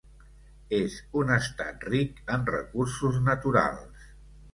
És un estat ric en recursos naturals.